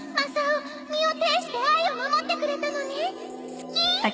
好き！